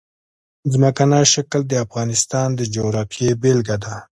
ځمکنی شکل د افغانستان د جغرافیې بېلګه ده.